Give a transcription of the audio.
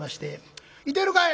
「いてるかい？」。